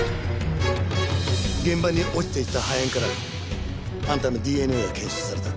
現場に落ちていた破片からあんたのＤＮＡが検出された。